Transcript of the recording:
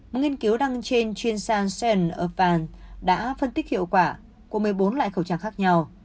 một nghiên cứu đăng trên chuyên sản sean irvine đã phân tích hiệu quả của một mươi bốn loại khẩu trang khác nhau